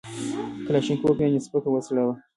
کلاشینکوف یعنې سپکه وسله وه